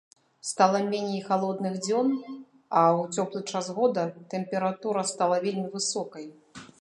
Стала меней халодных дзён, а ў цёплы час года тэмпература стала вельмі высокай.